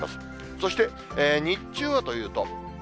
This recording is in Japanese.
そして日中はというと。